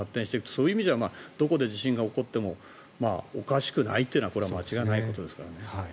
そういう意味ではどこで地震が起こってもおかしくないというのは間違いないことですからね。